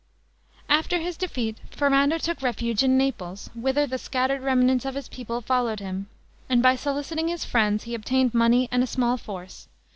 After his defeat, Ferrando took refuge in Naples, whither the scattered remnants of his people followed him; and by soliciting his friends, he obtained money and a small force.